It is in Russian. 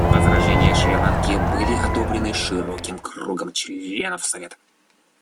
Возражения Шри-Ланки были одобрены широким кругом членов Совета.